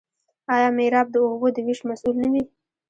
آیا میرآب د اوبو د ویش مسوول نه وي؟